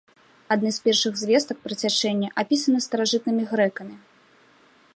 Адны з першых звестак пра цячэнні апісаны старажытнымі грэкамі.